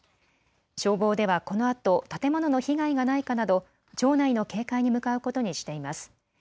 消防ではこのあと建物の被害がないかなど町内の警戒に向かうことにしています。